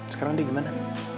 sekarang dia gimana